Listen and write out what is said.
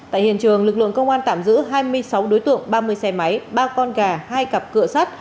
tại hiện trường lực lượng công an tạm giữ hai mươi sáu đối tượng ba mươi xe máy ba con gà hai cặp cửa sắt